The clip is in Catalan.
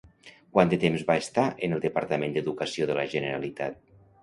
Quant de temps va estar en el Departament d'Educació de la Generalitat?